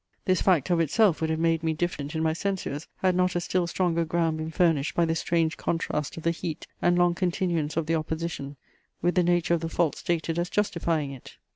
This fact of itself would have made me diffident in my censures, had not a still stronger ground been furnished by the strange contrast of the heat and long continuance of the opposition, with the nature of the faults stated as justifying it.